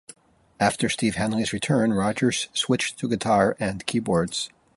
After Steve Hanley's return, Rogers switched to guitar and keyboards.